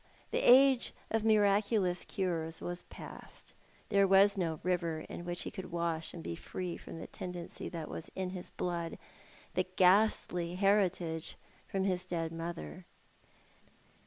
the age of miraculous cures was past ; there was no river in which he could wash and be free from the tendency that was in his blood, the ghastly heritage from his dead mother.